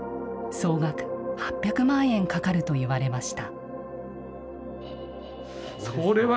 総額８００万円かかると言われました。